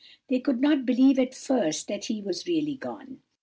They could not believe at first that he really was gone.